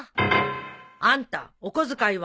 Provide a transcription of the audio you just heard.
あんたお小遣いは？